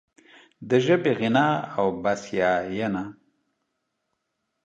د ژبې غنا او بسیاینه